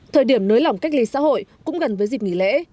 thời điểm nới lỏng cách ly xã hội cũng gần với dịp nghỉ lễ